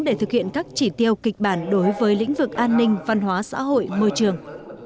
để thực hiện các chỉ tiêu kịch bản đối với lĩnh vực an ninh văn hóa xã hội môi trường